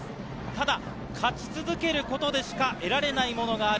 ただ、勝ち続けることでしか得られないものがある。